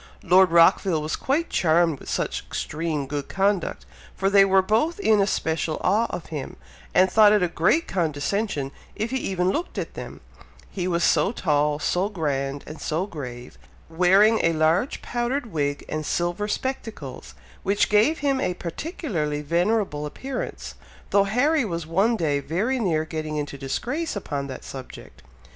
Lord Rockville was quite charmed with such extreme good conduct, for they were both in especial awe of him, and thought it a great condescension if he even looked at them, he was so tall, so grand, and so grave, wearing a large powdered wig and silver spectacles, which gave him a particularly venerable appearance, though Harry was one day very near getting into disgrace upon that subject.